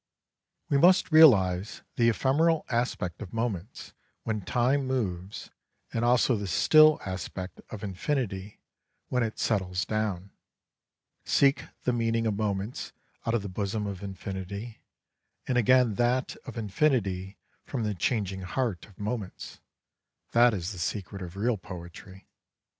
We must realise the ephemeral aspect of moments when time moves, and also the still aspect of infinity when it settles down ; seek the meaning of moments out of the bosom of infinity, and again that of infinity from the changing heart of moments — ^that is the secret of real poetry.